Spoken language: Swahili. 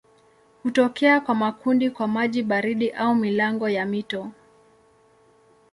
Hutokea kwa makundi kwa maji baridi au milango ya mito.